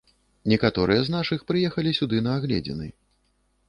Некаторыя з нашых прыехалі сюды на агледзіны.